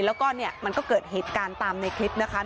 แล้วก็เนี่ยมันก็เกิดเหตุการณ์ตามในคลิปนะคะ